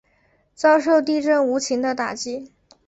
遭受地震无情的打击